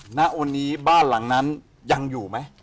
ณวันนี้บ้านหลังนั้นยังอยู่ไหม